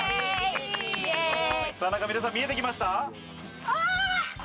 皆さん、見えてきました？